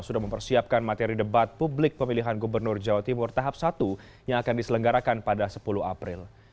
sudah mempersiapkan materi debat publik pemilihan gubernur jawa timur tahap satu yang akan diselenggarakan pada sepuluh april